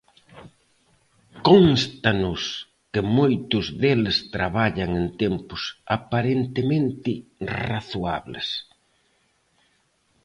Cónstanos que moitos deles traballan en tempos aparentemente razoables.